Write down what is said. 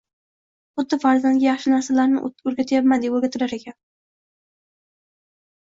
xuddi farzandga yaxshi narsalarni o‘rgatyapman deb o‘rgatilar ekan